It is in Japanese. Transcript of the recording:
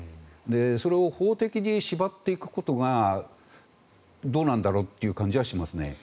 それを法的に縛っていくことがどうなんだろうっていう感じはしますね。